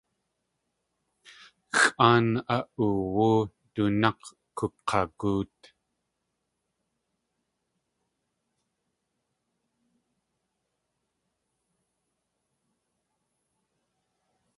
Xʼáan a.oowú du nák̲ kuk̲agóot.